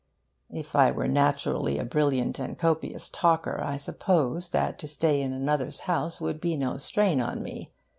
If I were naturally a brilliant and copious talker, I suppose that to stay in another's house would be no strain on me.